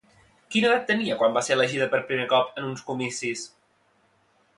Quina edat tenia quan va ser elegida per primer cop en uns comicis?